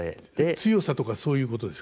強さとかそういうことですか？